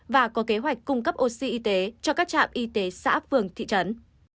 và có kế hoạch cung cấp oxy y tế cho các trạm y tế xã phường thị trấn